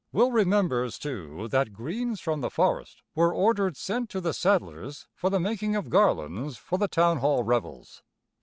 Will remembers, too, that greens from the forest were ordered sent to the Sadlers for the making of garlands for the Town Hall revels.